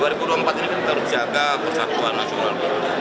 dua ribu dua puluh empat ini kita harus jaga persatuan nasional